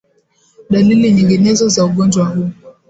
Dalili nyinginezo za ugonjwa huu